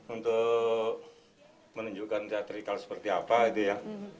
untuk menunjukkan teatrical seperti apa gitu ya